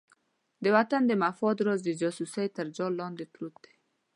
د وطن د مفاد راز د جاسوسۍ تر جال لاندې پروت دی.